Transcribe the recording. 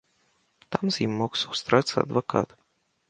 Там з ім змог сустрэцца адвакат.